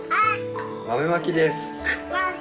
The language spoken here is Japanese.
豆まきです。